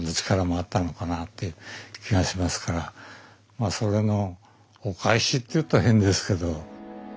まあそれのお返しって言うと変ですけど。